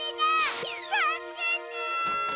助けて！